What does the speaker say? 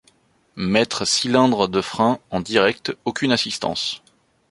Maître cylindre de frein en direct, aucune assistance.